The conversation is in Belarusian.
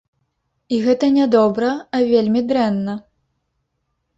І гэта не добра, а вельмі дрэнна.